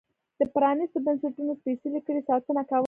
د پرانیستو بنسټونو سپېڅلې کړۍ ساتنه کوله.